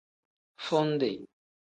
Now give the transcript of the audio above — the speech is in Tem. Fundi.